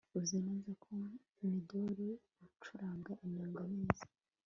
Uzi neza ko Midori acuranga inanga neza